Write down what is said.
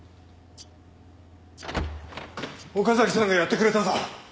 岡崎さんがやってくれたぞ！